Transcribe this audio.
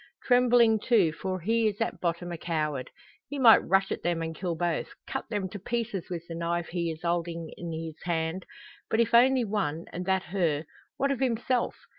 Trembling, too; for he is at bottom a coward. He might rush at them and kill both cut them to pieces with the knife he is holding in his hand. But if only one, and that her, what of himself!